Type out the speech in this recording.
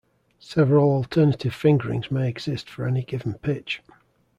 Several alternate fingerings may exist for any given pitch.